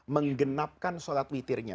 menggenapkan sholat witirnya